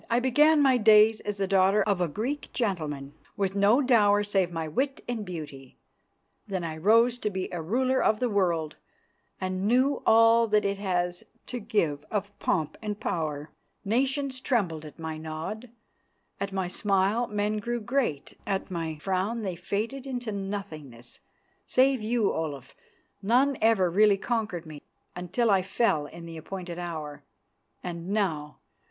"I began my days as the daughter of a Greek gentleman, with no dower save my wit and beauty. Then I rose to be a ruler of the world, and knew all that it has to give of pomp and power. Nations trembled at my nod; at my smile men grew great; at my frown they faded into nothingness. Save you, Olaf, none ever really conquered me, until I fell in the appointed hour. And now!